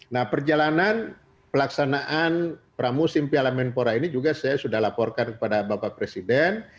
nah perjalanan pelaksanaan pramusim piala menpora ini juga saya sudah laporkan kepada bapak presiden